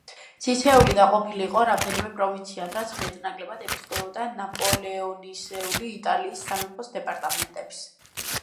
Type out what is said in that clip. თითოეული დაყოფილი იყო რამდენიმე პროვინციად, რაც მეტნაკლებად ემთხვეოდა ნაპოლეონისეული იტალიის სამეფოს დეპარტამენტებს.